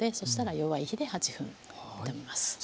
したら弱い火で８分炒めます。